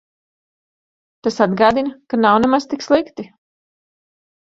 Tas atgādina, ka nav nemaz tik slikti.